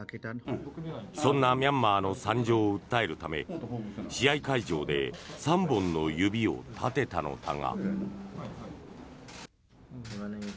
そんなミャンマーの惨状を訴えるため、試合会場で３本の指を立てたのだが。